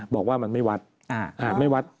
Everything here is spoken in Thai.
บอกว่ามันไม่วัด